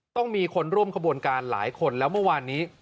ต้องมีคนร่วมขบวนการหลายคนแล้วเมื่อวานนี้